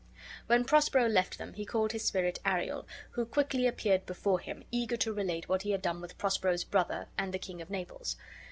When Prospero left them, he called his spirit Ariel, who quickly appeared before him, eager to relate what he had done with Prospero's brother and the king of Naples.